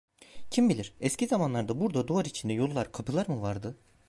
Kim bilir, eski zamanlarda burada duvar içinde yollar, kapılar mı vardı?